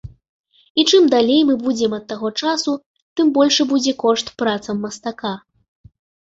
І чым далей мы будзем ад таго часу, тым большы будзе кошт працам мастака.